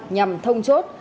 nhằm thông chốt